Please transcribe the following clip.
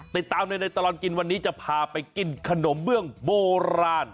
ติดตามเลยในตลอดกินวันนี้จะพาไปกินขนมเบื้องโบราณ